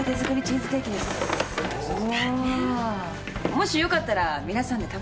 もしよかったら皆さんで食べてください。